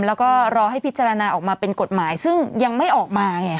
แล้วก็รอให้พิจารณาออกมาเป็นกฎหมายซึ่งยังไม่ออกมาไง